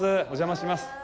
お邪魔します。